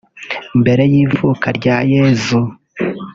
Mbere y’ivuka arya Yezu